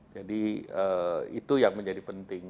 jadi itu yang menjadi penting